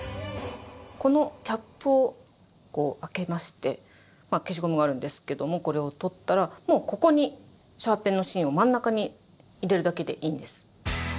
このキャップを開けまして消しゴムがあるんですけどもこれを取ったらもうここに、シャーペンの芯を真ん中に入れるだけでいいんです。